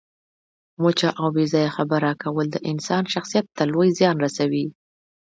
وچه او بې ځایه خبره کول د انسان شخصیت ته لوی زیان رسوي.